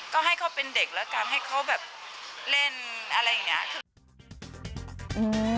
ก็ให้เขาเป็นเด็กแล้วกันให้เขาแบบเล่นอะไรอย่างนี้